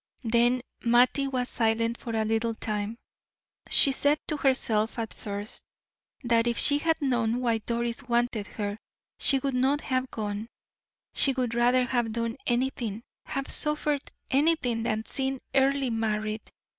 Then Mattie was silent for a little time. She said to herself at first, that if she had known why Doris wanted her, she would not have gone, she would rather have done anything, have suffered anything than seen Earle married.